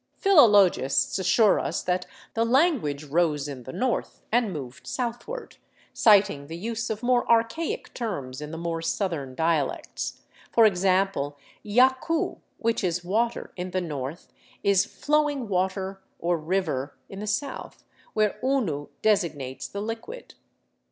Philologists assure us that the language rose in the north and moved southward, citing the use of more archaic terms in the more southern dialects; for example yacu, which is water in the north, is flowing water, or river, in the south, where unu designates the liquid.